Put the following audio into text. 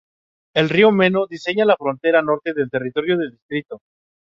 El Río Meno diseña la frontera norte del territorio del distrito.